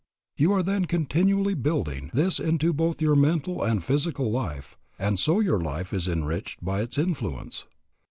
You are then continually building this into both your mental and your physical life, and so your life is enriched by its influence.